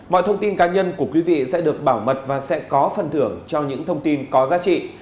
mọi thông tin cá nhân của quý vị sẽ được bảo mật và sẽ có phần thưởng cho những thông tin có giá trị